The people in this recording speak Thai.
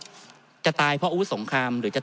ท่านประธานครับนี่คือสิ่งที่สุดท้ายของท่านครับ